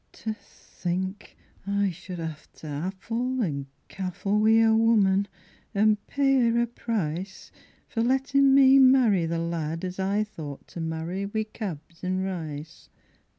VIII To think I should ha'e to haffle an' caffle Wi' a woman, an' pay 'er a price For lettin' me marry the lad as I thought To marry wi' cabs an' rice.